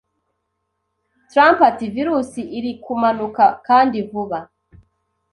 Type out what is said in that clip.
Trump ati 'virus iri kumanuka kandi vuba